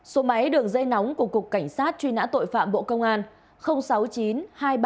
số máy đường dây nóng của cục cảnh sát truy nã tội phạm bộ công an sáu mươi chín hai trăm ba mươi hai một nghìn sáu trăm sáu mươi bảy